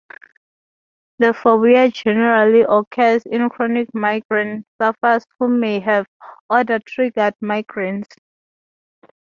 The phobia generally occurs in chronic migraine sufferers who may have "odor triggered" migraines.